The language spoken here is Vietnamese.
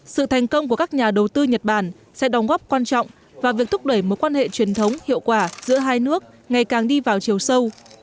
sự thành công của các nhà đầu tư nhật bản sẽ đóng góp quan trọng và việc thúc đẩy mối quan hệ truyền thống hiệu quả giữa hai nước ngày càng đi vào chiều sâu